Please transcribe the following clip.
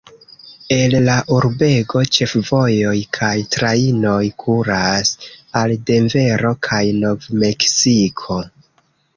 El la urbego ĉefvojoj kaj trajnoj kuras al Denvero kaj Nov-Meksiko.